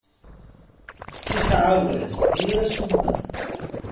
Ttif ɛawaz, yir asummet.